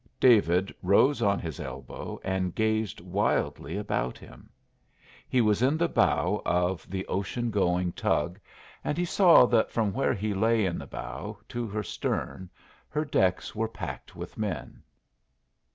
David rose on his elbow and gazed wildly about him. He was in the bow of the ocean going tug, and he saw that from where he lay in the bow to her stern her decks were packed with men.